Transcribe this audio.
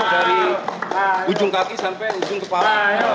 dari ujung kaki sampai ujung kepala